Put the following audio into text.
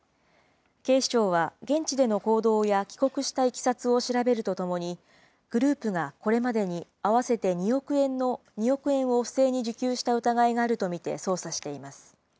警視庁は現地での行動や帰国したいきさつを調べるとともに、グループがこれまでに合わせて２億円を不正に受給した疑いがあると見て捜査しています。